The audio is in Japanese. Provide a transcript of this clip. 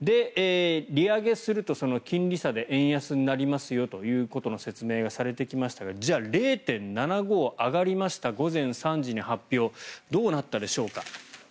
利上げすると金利差で円安になりますよという説明がされてきましたがじゃあ、０．７５％上がりました午前３時に発表どうなったでしょうか。